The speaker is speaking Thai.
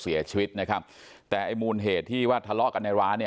เสียชีวิตนะครับแต่ไอ้มูลเหตุที่ว่าทะเลาะกันในร้านเนี่ย